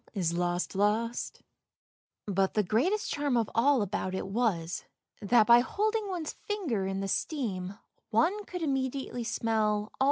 1 But the greatest charm of all about it was, that by holding one's finger in the steam one could immediately smell all the 1 Alas